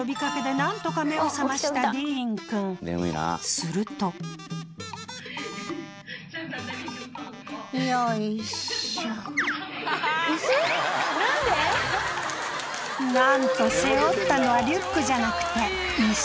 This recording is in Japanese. なんと背負ったのはリュックじゃなくてイス。